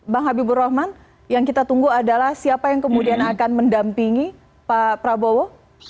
bang habibur rahman yang kita tunggu adalah siapa yang kemudian akan mendampingi pak prabowo